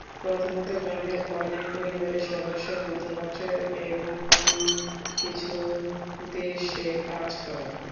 প্রথমত গ্রামের অনেক পরিবারের সদস্য মধ্যপ্রাচ্য এবং অন্য কিছু দেশে কাজ করেন।